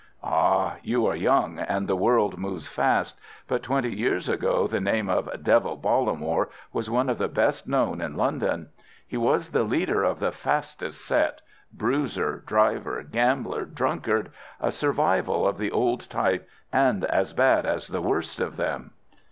"Ah, you are young and the world moves fast, but twenty years ago the name of 'Devil' Bollamore was one of the best known in London. He was the leader of the fastest set, bruiser, driver, gambler, drunkard—a survival of the old type, and as bad as the worst of them."